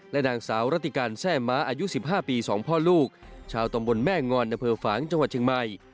นางสาวรัติการแซ่ม้าอายุ๑๕ปี๒พ่อลูกชาวตำบลแม่งอนอำเภอฝางจังหวัดเชียงใหม่